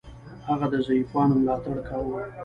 هغه د ضعیفانو ملاتړ کاوه.